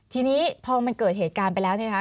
ทีนี้พอมันเกิดเหตุการณ์ไปแล้วเนี่ยนะคะ